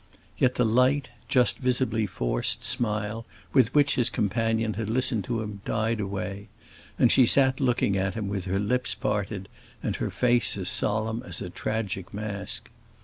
Yet the light, just visibly forced smile with which his companion had listened to him died away, and she sat looking at him with her lips parted and her face as solemn as a tragic mask.